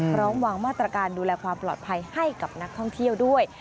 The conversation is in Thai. พร้อมวางมาตรการดูแลความปลอดภัยให้กับนักท่องเที่ยวด้วย